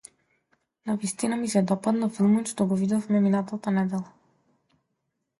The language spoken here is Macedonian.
Навистина ми се допадна филмот што го видовме минатата недела.